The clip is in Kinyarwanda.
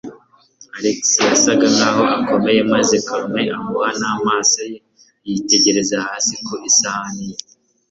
Alex yasaga naho akomeye, maze Carmen ahura n'amaso ye, yitegereza hasi ku isahani ye.